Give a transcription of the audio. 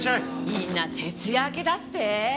みんな徹夜明けだって？